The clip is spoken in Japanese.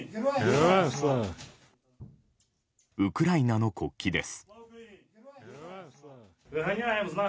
ウクライナの国旗です。